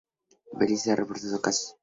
Belice no ha reportado casos.